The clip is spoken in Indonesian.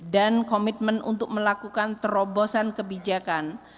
dan komitmen untuk melakukan terobosan kebijakan